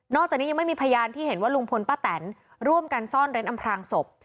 จากนี้ยังไม่มีพยานที่เห็นว่าลุงพลป้าแตนร่วมกันซ่อนเร้นอำพลางศพ